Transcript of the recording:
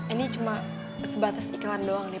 ini cuma sebatas iklan doang nih